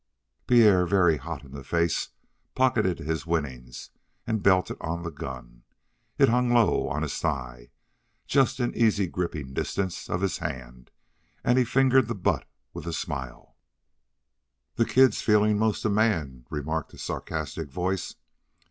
Pierre, very hot in the face, pocketed his winnings and belted on the gun. It hung low on his thigh, just in easy gripping distance of his hand, and he fingered the butt with a smile. "The kid's feelin' most a man," remarked a sarcastic voice.